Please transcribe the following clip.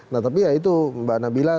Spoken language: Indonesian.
nah tapi ya itu mbak nabila